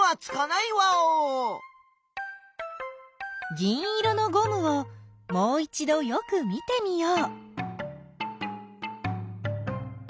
銀色のゴムをもういちどよく見てみよう。